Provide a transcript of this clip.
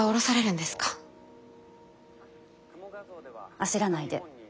焦らないで。